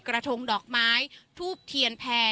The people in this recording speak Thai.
กระทงดอกไม้ทูบเทียนแพร่